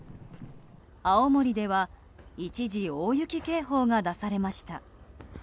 青森では一時、大雪警報が出されました。